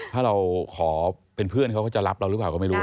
ถ้าเราขอเป็นเพื่อนเขาก็จะรับเราก็ไม่รู้นะ